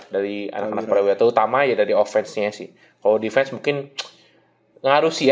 dari enam pertandingan mungkin